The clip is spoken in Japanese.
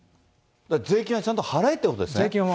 だから、税金はちゃんと払えってことですね。